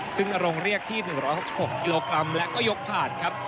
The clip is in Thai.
ซึ่งนรงเรียกที่๑๖๖กิโลกรัมและก็ยกผ่านครับ